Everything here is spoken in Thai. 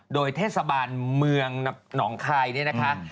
โดยเทศบาลเมืองหนองคายเนี่ยนะคะ